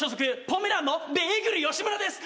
ポメランのベーグル吉村です。